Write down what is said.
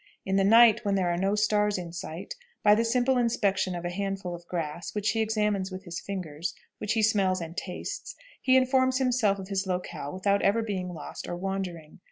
In the night, when there are no stars in sight, by the simple inspection of a handful of grass, which he examines with his fingers, which he smells and tastes, he informs himself of his locale without ever being lost or wandering.